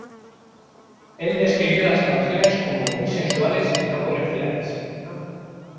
Él describió las canciones como "muy sensuales y no comerciales".